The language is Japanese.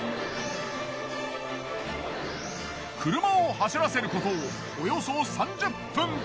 車を走らせることおよそ３０分。